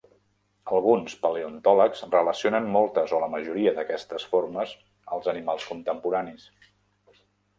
Alguns paleontòlegs relacionen moltes o la majoria d'aquestes formes als animals contemporànis.